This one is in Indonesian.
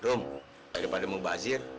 rum daripada mau bazir